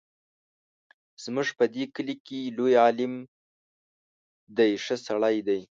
زموږ په دې کلي کې لوی عالم دی ښه سړی دی.